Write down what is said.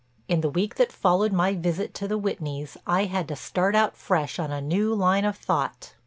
In the week that followed my visit to the Whitneys I had to start out fresh on a new line of thought.